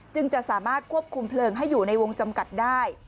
จึงจะสามารถควบคุมเพลิงให้อยู่ในวงจำกัดได้